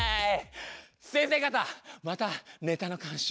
先生方またネタの監修